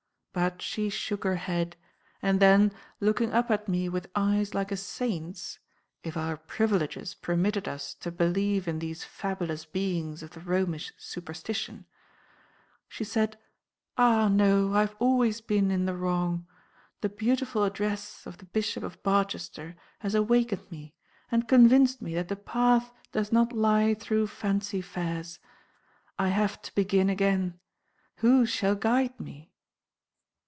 But she shook her head; and then, looking up at me with eyes like a saint's (if our privileges permitted us to believe in these fabulous beings of the Romish superstition), she said, "Ah, no! I have always been in the wrong. The beautiful address of the Bishop of Barchester has awakened me, and convinced me that the path does not lie through Fancy Fairs. I have to begin again. Who shall guide me?"